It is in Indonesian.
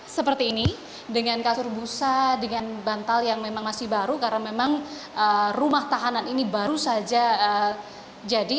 seperti ini dengan kasur busa dengan bantal yang memang masih baru karena memang rumah tahanan ini baru saja jadi